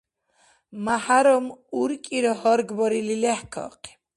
МяхӀярам, уркӀира гьаргбарили, лехӀкахъиб.